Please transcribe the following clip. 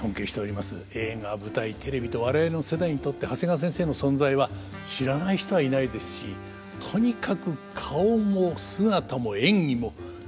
映画舞台テレビと我々の世代にとって長谷川先生の存在は知らない人はいないですしとにかく顔も姿も演技もどれも超一流でございました。